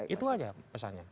itu saja pesannya